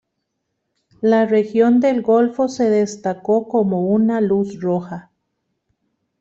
La región del Golfo se destacó como una luz roja.